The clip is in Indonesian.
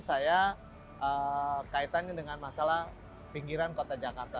saya kaitannya dengan masalah pinggiran kota jakarta